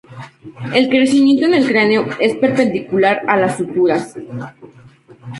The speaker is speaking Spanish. El crecimiento en el cráneo es perpendicular a las suturas.